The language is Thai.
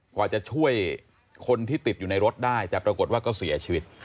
กว่าจะช่วยคนที่ติดอยู่ในรถได้แต่ปรากฏว่าก็เสียชีวิต